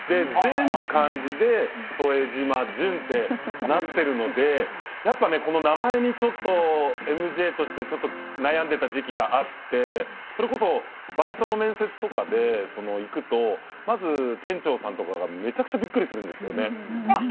全部漢字で「副島淳」ってなってるのでやっぱねこの名前にちょっとＭＪとしてちょっと悩んでた時期があってそれこそバイトの面接とかで行くとまず店長さんとかがめちゃくちゃびっくりするんですよね。